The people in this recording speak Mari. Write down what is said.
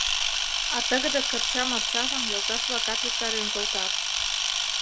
А тыгыде кырча-марчажым йолташ-влакат виктарен колтат.